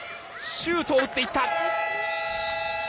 シュートを打っていった。